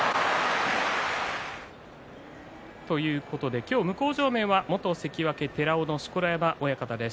今日向正面は元関脇寺尾の錣山親方です。